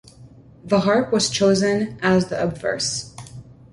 The Harp was chosen as the obverse.